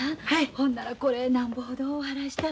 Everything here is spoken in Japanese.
ほんならこれなんぼほどお払いしたら？